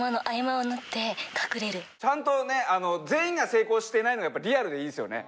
全員が成功してないのがリアルでいいですよね